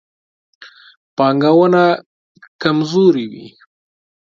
پانګونه کمزورې وي.